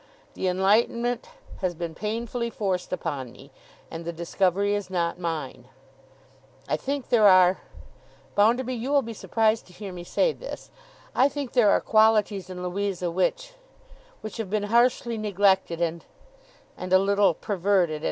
The enlightenment has been painfully forced upon me, and the discovery is not mine. I think there are—Bounderby, you will be surprised to hear me say this—I think there are qualities in Louisa, which—which have been harshly neglected, and—and a little perverted.